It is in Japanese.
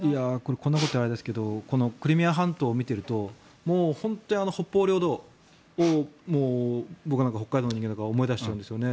こんなことを言ったらあれですがクリミア半島を見ていると本当に北方領土を僕は北海道の人間だから思い出しちゃうんですよね。